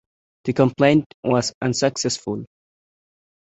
The complaint was unsuccessful.